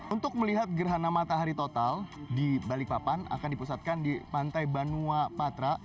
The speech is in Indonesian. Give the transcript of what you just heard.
untuk melihat gerhana matahari total di balikpapan akan dipusatkan di pantai banua patra